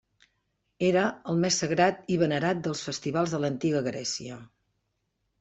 Era el més sagrat i venerat dels festivals de l'Antiga Grècia.